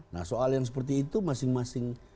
nah soal yang seperti itu masing masing